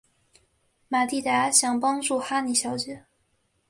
玛蒂达想帮助哈妮小姐。